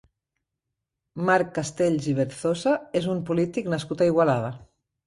Marc Castells i Berzosa és un polític nascut a Igualada.